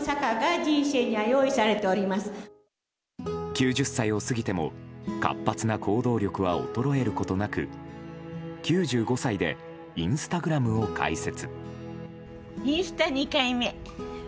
９０歳を過ぎても活発な行動力は衰えることなく９５歳でインスタグラムを開設。